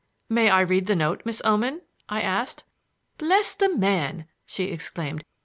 "May I read the note, Miss Oman?" I asked. "Bless the man!" she exclaimed.